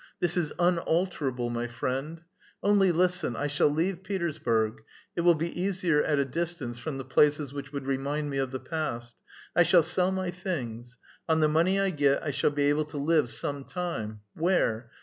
This is unalterabL*, my friend ! Only listen : I shall leave Petersburg ; it will be easier at a distance from the places which would remind me of the past. I shall sell my things. On the money I get I shall be able to live some time. Where